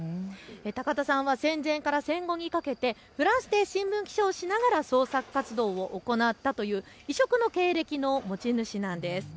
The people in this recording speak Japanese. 高田さんは戦前から戦後にかけてフランスで新聞記者をしながら創作活動を行ったという異色の経歴の持ち主なんです。